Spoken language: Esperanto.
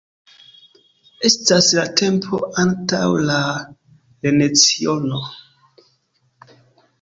Estas la tempo antaŭ la leciono.